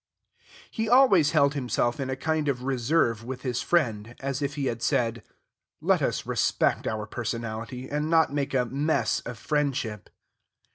He always held himself in a kind of reserve with his friend, as if he had said, "Let us respect our personality, and not make a 'mess' of friendship."